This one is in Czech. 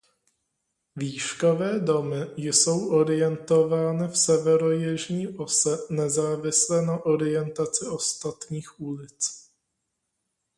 Výškové domy jsou orientovány v severojižní ose nezávisle na orientaci ostatních ulic.